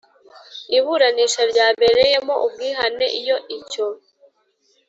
Iburanisha ryabereyemo ubwihane iyo icyo